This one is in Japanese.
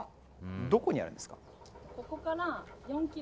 どこにあるんですか。